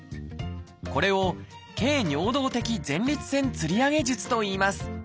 これを「経尿道的前立腺吊り上げ術」といいます